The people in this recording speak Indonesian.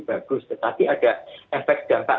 bagus tetapi ada efek dampak